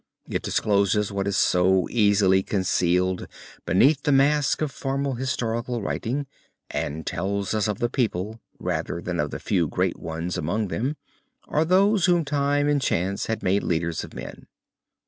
It discloses what is so easily concealed under the mask of formal historical writing and tells us of the people rather than of the few great ones among them, or those whom time and chance had made leaders of men.